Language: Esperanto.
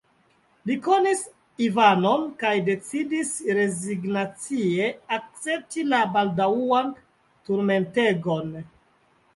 Li konis Ivanon kaj decidis rezignacie akcepti la baldaŭan turmentegon.